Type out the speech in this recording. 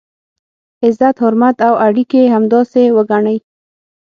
عزت، حرمت او اړیکي همداسې وګڼئ.